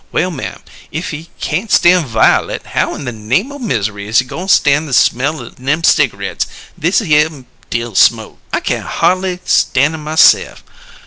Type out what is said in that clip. Well, ma'am, if he can't stan' violet, how in the name o' misery he goin' stan' the smell nem cigareets thishere Dills smoke? I can't hardly stan' 'em myse'f.